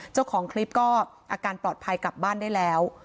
เจ้าของคลิปก็อาการปลอดภัยกลับบ้านได้แล้ว